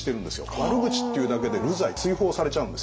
悪口っていうだけで流罪追放されちゃうんですよ。